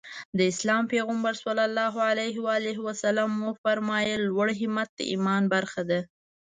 د اسلام پيغمبر ص وفرمايل لوړ همت د ايمان برخه ده.